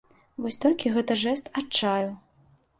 Вось толькі гэта жэст адчаю.